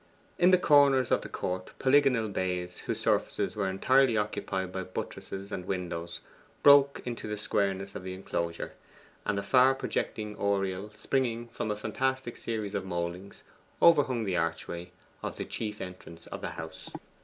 In the corners of the court polygonal bays, whose surfaces were entirely occupied by buttresses and windows, broke into the squareness of the enclosure; and a far projecting oriel, springing from a fantastic series of mouldings, overhung the archway of the chief entrance to the house.